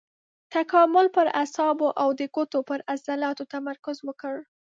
تکامل پر اعصابو او د ګوتو پر عضلاتو تمرکز وکړ.